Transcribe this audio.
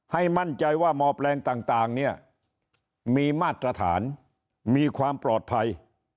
ให้มั่นใจว่ามอแปลงต่างเนี่ยมีมาตรฐานมีความปลอดภัย